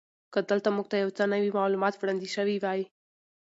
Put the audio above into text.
که دلته موږ ته یو څه نوي معلومات وړاندې شوي وی.